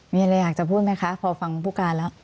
มีอะไรอยากจะพูดไหมคะพอฟังผู้การแล้ว